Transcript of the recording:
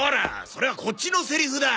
それはこっちのセリフだ！